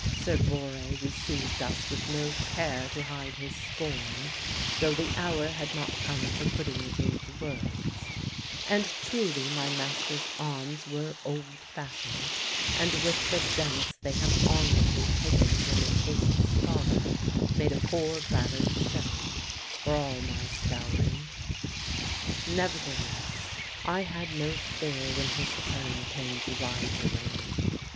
Sir Borre received us with no care to hide his scorn, though the hour had not come for putting it into words; and truly my master's arms were old fashioned, and with the dents they had honourably taken when they cased his father, made a poor battered show, for all my scouring. Nevertheless, I had no fear when his turn came to ride the ring.